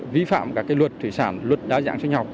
vi phạm các luật thủy sản luật đa dạng sinh học